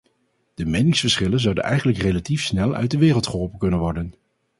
De meningsverschillen zouden eigenlijk relatief snel uit de wereld geholpen kunnen worden.